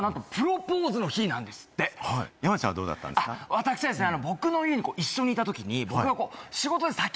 私はですね。